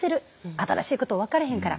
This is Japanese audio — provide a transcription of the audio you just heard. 新しいこと分からへんから。